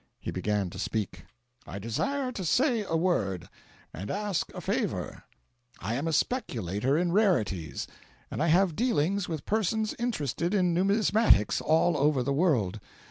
He began to speak. "I desire to say a word, and ask a favour. I am a speculator in rarities, and I have dealings with persons interested in numismatics all over the world.